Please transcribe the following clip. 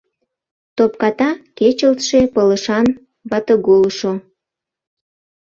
Топката, кечылтше пылышан ватыголышо.